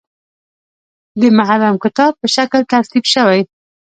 د محرم کتاب په شکل ترتیب شوی.